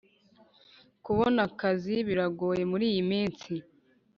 kubona akazi biragoye muri iyi minsi